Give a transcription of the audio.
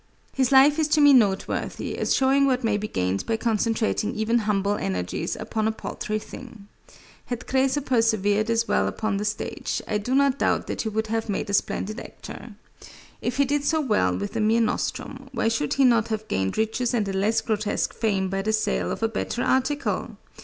His life is to me noteworthy, as showing what may be gained by concentrating even humble energies upon a paltry thing. Had Créso persevered as well upon the stage, I do not doubt that he would have made a splendid actor. If he did so well with a mere nostrum, why should he not have gained riches and a less grotesque fame by the sale of a better article?